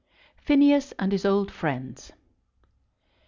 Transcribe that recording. PHINEAS AND HIS OLD FRIENDS.